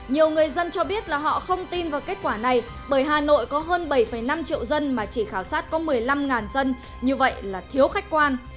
nhiều người dân cho biết là họ không tin vào kết quả này bởi hà nội có hơn bảy năm triệu dân mà chỉ khảo sát có một mươi năm dân như vậy là thiếu khách quan